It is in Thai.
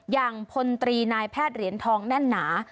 พลตรีนายแพทย์เหรียญทองแน่นหนา